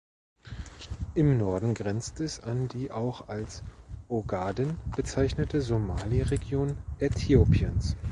Im Norden grenzt es an die auch als Ogaden bezeichnete Somali-Region Äthiopiens.